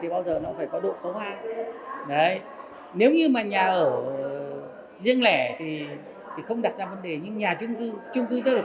bồi thường trong dự án cải tạo